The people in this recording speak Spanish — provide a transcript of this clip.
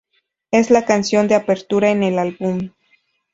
Es la canción de apertura en el álbum.